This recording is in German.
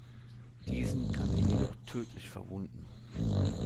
Diesen kann er jedoch tödlich verwunden.